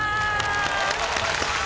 おめでとうございます。